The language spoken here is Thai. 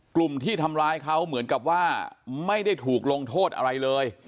กลุ่มที่ทำร้ายเขาเหมือนกับว่าไม่ได้ถูกลงโทษอะไรเลย